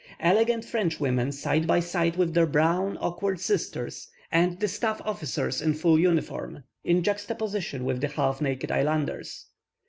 Elegant Frenchwomen side by side with their brown, awkward sisters, and the staff officers in full uniform, in juxta position with the half naked islanders.